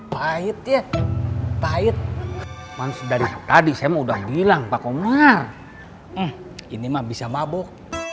pahit ya pahit mas dari tadi saya udah bilang pak komnar ini mah bisa mabuk